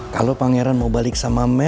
kalau pangeran mau balik sama mel sih lebih bagus